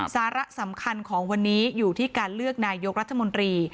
สาระสำคัญของวันนี้อยู่ที่การเลือกนายกรัฐมนตรี